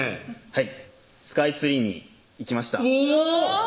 はいスカイツリーに行きましたおぉ！